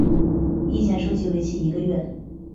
意见收集为期一个月。